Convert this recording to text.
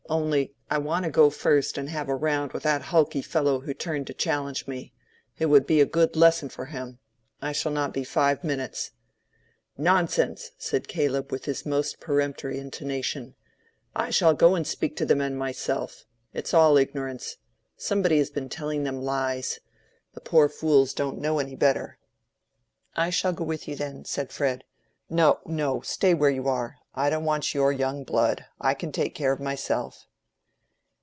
Only I want to go first and have a round with that hulky fellow who turned to challenge me. It would be a good lesson for him. I shall not be five minutes." "Nonsense!" said Caleb, with his most peremptory intonation. "I shall go and speak to the men myself. It's all ignorance. Somebody has been telling them lies. The poor fools don't know any better." "I shall go with you, then," said Fred. "No, no; stay where you are. I don't want your young blood. I can take care of myself."